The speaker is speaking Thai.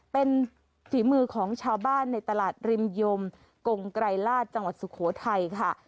เป็นฝีมือของชาวบ้านในตลาดริมยมกงไกรลาศจังหวัดสุโขทัยค่ะ